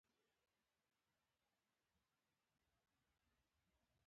بیا باید د لینین او ستالین کړنې وڅېړو.